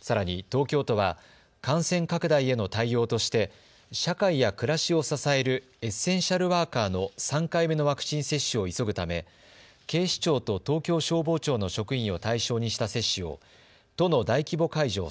さらに東京都は感染拡大への対応として社会や暮らしを支えるエッセンシャルワーカーの３回目のワクチン接種を急ぐため警視庁と東京消防庁の職員を対象にした接種を都の大規模会場